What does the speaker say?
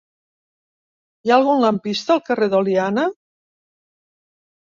Hi ha algun lampista al carrer d'Oliana?